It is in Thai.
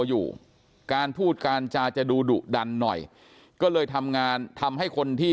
อยู่การพูดการจาจะดูดุดันหน่อยก็เลยทำงานทำให้คนที่